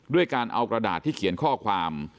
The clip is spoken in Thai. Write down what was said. ด้วยการเอากระดาษที่เขียนข้อความ